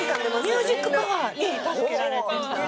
ミュージックパワーに助けられてきた。